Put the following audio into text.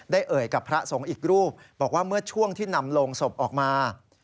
เอ่ยกับพระสงฆ์อีกรูปบอกว่าเมื่อช่วงที่นำโลงศพออกมา